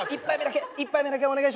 １杯目だけお願いします。